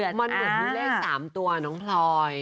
มันเหมือนมีเลข๓ตัวน้องพลอย